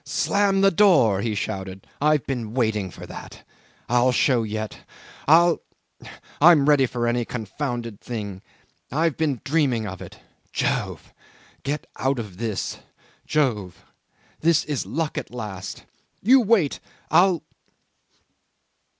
"Slam the door!" he shouted. "I've been waiting for that. I'll show yet ... I'll ... I'm ready for any confounded thing ... I've been dreaming of it ... Jove! Get out of this. Jove! This is luck at last ... You wait. I'll